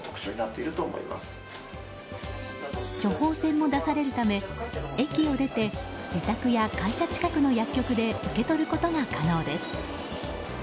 処方箋も出されるため駅を出て自宅や会社近くの薬局で受け取ることが可能です。